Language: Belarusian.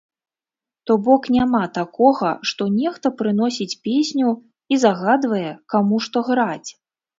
То бок няма такога, што нехта прыносіць песню і загадвае, каму што граць.